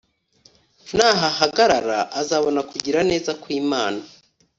nahahagarara azabona kugira neza kw’Imana